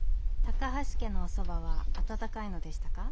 高橋家のおそばは温かいのでしたか？